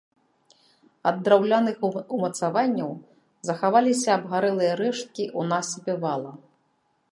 Ад драўляных умацаванняў захаваліся абгарэлыя рэшткі ў насыпе вала.